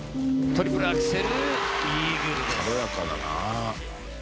「軽やかだな」